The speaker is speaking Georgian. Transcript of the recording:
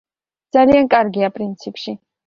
ძალიან კარგია პრინციპში.